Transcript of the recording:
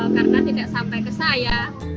karena tidak sampai ke saya